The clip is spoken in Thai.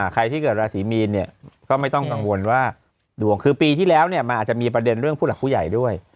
ใครที่เกิดราศีมีนเนี่ยก็ไม่ต้องกังวลว่าดวงคือปีที่แล้วเนี่ยมันอาจจะมีประเด็นเรื่องผู้หลักผู้ใหญ่ด้วย